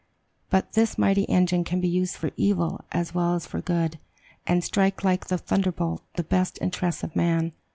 But this mighty engine can be used for evil as well as for good, and strike like the thunder bolt the best interests of man.